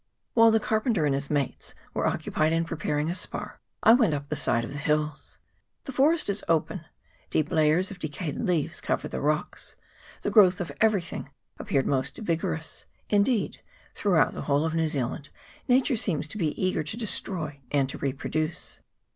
While the carpenter and his mates were occupied in preparing a spar I went up the side of the hills. The forest is open ; deep layers of decayed leaves cover the rocks ; the growth of everything appeared most vigorous : indeed throughout the whole of New Zealand nature seems to be eager to destroy and to reproduce.